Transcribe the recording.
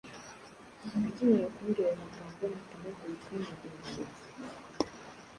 Akimara kumbwira ayo magambo mpita mpaguruka mpinda umushyitsi.